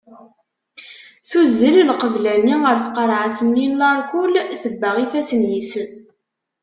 Tuzzel lqebla-nni ar tqarɛet-nni n larkul tebbeɣ ifassen-is.